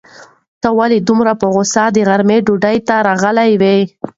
ته ولې دومره په غوسه د غرمې ډوډۍ ته راغلی وې؟